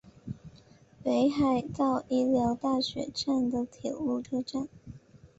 北海道医疗大学站的铁路车站。